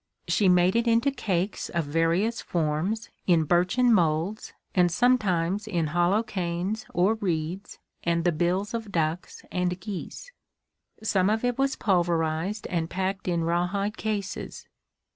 She made it into cakes of various forms, in birchen molds, and sometimes in hollow canes or reeds, and the bills of ducks and geese. Some of it was pulverized and packed in rawhide cases.